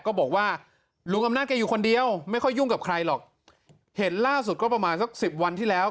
ก็บอกว่าลุงอำนาจแกอยู่คนเดียวไม่ค่อยยุ่งกับใครหรอกเห็นล่าสุดก็ประมาณสักสิบวันที่แล้ว